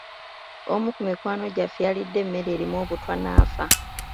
Omu ku mikwano gyaffe yalidde emmere erimu obutwa n'afa.